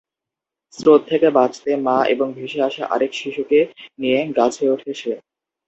স্রোত থেকে বাঁচতে মা এবং ভেসে আসা আরেক শিশুকে নিয়ে গাছে ওঠে সে।